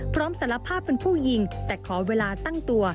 สารภาพเป็นผู้ยิงแต่ขอเวลาตั้งตัว